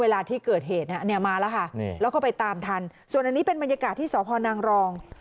แล้วก็ไปตามทันส่วนอันนี้เป็นบรรยากาศที่สอพอนางรอง